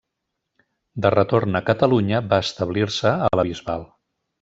De retorn a Catalunya va establir-se a la Bisbal.